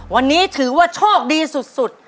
วันนี้ถือว่าโชคดีสุด